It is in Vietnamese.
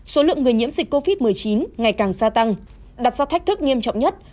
số lượng người nhiễm dịch covid một mươi chín ngày càng gia tăng đặt ra thách thức nghiêm trọng nhất